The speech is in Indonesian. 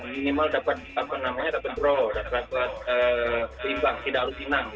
minimal dapat draw dapat keimbang tidak harus dinang